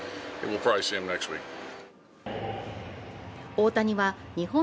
大谷は日本